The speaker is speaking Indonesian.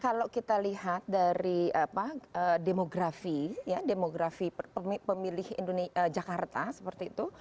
kalau kita lihat dari demografi pemilih jakarta seperti itu